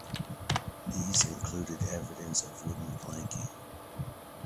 These included evidence of wooden planking.